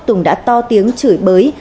tùng đã to tiếng chửi bới